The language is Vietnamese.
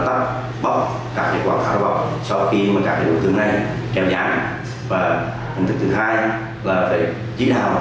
tập bóc các quảng cáo bỏng cho khi các đối tượng này kéo dán